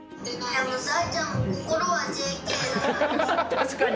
確かに。